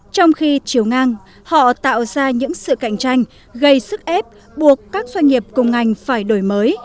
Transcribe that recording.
trong khi chiều ngang họ tạo ra những sự cạnh tranh gây sức ép buộc các doanh nghiệp cùng ngành phải đổi mới